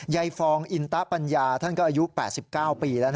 ฟองอินตะปัญญาท่านก็อายุ๘๙ปีแล้ว